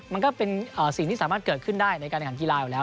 มันก็เป็นสิ่งที่สามารถเกิดขึ้นได้ในการแข่งขันกีฬาอยู่แล้ว